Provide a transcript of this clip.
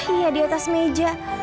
iya di atas meja